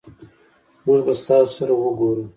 مونږ به ستاسو سره اوګورو